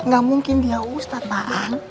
gak mungkin dia ustadz